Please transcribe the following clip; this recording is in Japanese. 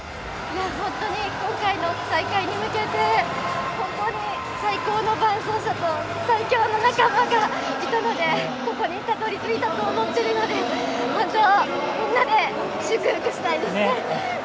本当に今回の大会に向けて本当に最高の伴走者と最強の仲間がいたのでここにたどりついたと思っているのでみんなで祝福したいですね。